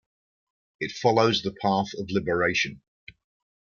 It follows the path of liberation.